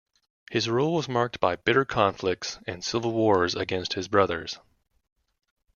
His rule was marked by bitter conflicts and civil wars against his brothers.